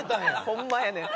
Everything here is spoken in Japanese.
ホンマやねん。